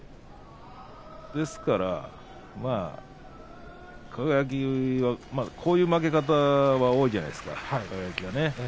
ですから輝はこういう負け方が多いじゃないですか。